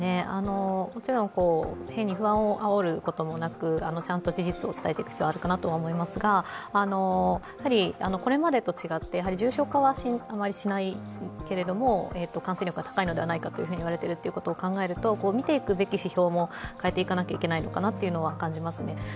もちろん変に不安をあおることもなく、ちゃんと事実を伝えていく必要があるかなと思いますが、これまでと違って重症化はあまりしないけれども感染力が高いのではないかといわれていることを考えると見ていくべき指標も変えていかなきゃいけないのかなというのは感じますね。